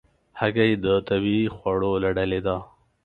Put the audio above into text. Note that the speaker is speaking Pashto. هګۍ د طبیعي خوړو له ډلې ده.